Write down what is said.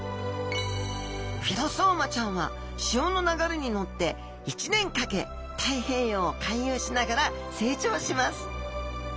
フィロソーマちゃんは潮の流れに乗って１年かけ太平洋を回遊しながら成長します。